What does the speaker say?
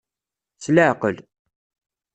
S laɛqel.